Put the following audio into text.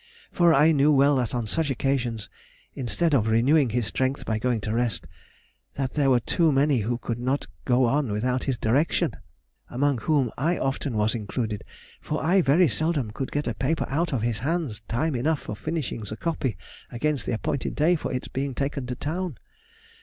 For I well knew that on such occasions, instead of renewing his strength by going to rest, that there were too many who could not go on without his direction, among whom I often was included, for I very seldom could get a paper out of his hands time enough for finishing the copy against the appointed day for its being taken to town.